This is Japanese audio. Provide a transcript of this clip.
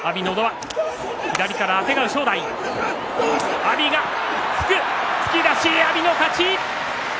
阿炎が突く突き出し、阿炎の勝ち。